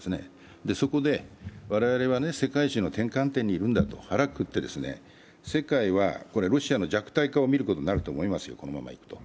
そこで我々は世界史の転換点にいるんだと腹をくくって世界は、ロシアの弱体化を見ることになると思いますよ、このままいくと。